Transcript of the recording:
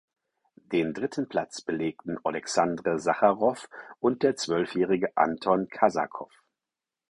Den dritten Platz belegten Oleksandr Sacharow und der zwölfjährige Anton Kasakow.